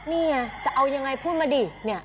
นี่ไงจะเอายังไงพูดมาดิเนี่ย